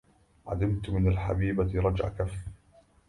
عدمت من الحبيبة رجع كف